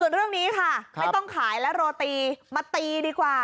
ส่วนเรื่องนี้ค่ะไม่ต้องขายแล้วโรตีมาตีดีกว่า